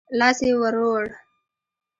لاس يې ورووړ.